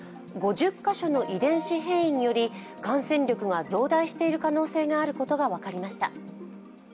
５０カ所の遺伝子変異により感染力が増大している可能性があることが分かりました。